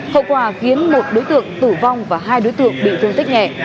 hậu quả khiến một đối tượng tử vong và hai đối tượng bị thương tích nhẹ